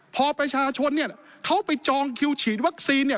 พอประชาชนเนี่ยเขาไปจองคิวฉีดวัคซีนเนี่ย